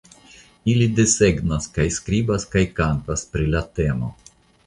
Ili desegnas kaj skribas kaj kantas pri la temo.